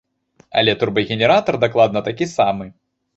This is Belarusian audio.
Але турбагенератар дакладна такі самы.